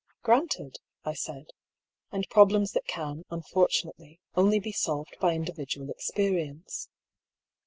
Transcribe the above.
"Granted," I said. "And problems that can, un fortunately, only be solved by individual experience."